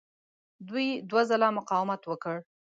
دوی دوه ځله مقاومت وکړ.